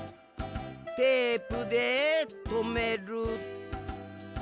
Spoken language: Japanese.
テープでとめる。